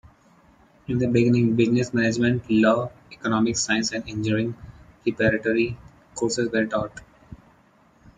In the beginning, Business Management, Law, Economic Sciences and Engineering Preparatory Courses were taught.